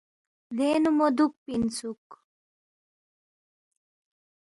دینگ نُو مو دُوکپی اِنسُوک